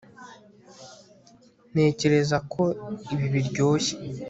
Ntekereza ko ibi biryoshye